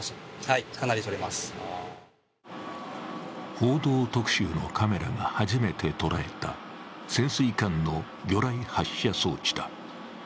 「報道特集」のカメラが初めて捉えた潜水艦の魚雷発射装置だ。